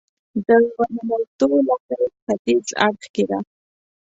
د ورننوتو لاره یې ختیځ اړخ کې ده.